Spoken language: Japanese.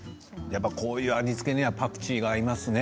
やっぱりこういう味付けにはパクチーが合いますね。